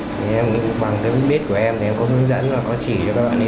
thì em bằng cái biết của em thì em có hướng dẫn và có chỉ cho các bạn ấy